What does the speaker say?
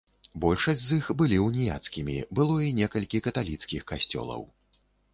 Большасць з іх былі уніяцкімі, было і некалькі каталіцкіх касцёлаў.